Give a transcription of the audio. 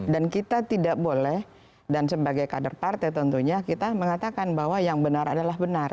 dan kita tidak boleh dan sebagai kader partai tentunya kita mengatakan bahwa yang benar adalah benar